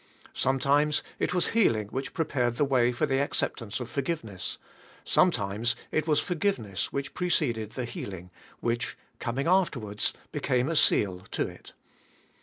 Sometimes it was healing which prepared the way for the acceptance of forgiveness, sometimes it was forgiveness which preceded the heal ing, which, coming afterwards, became a soal to it.